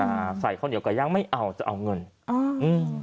นะคะใส่เข้าเหนียวกับยังไม่เอาจะเอาเงินอืม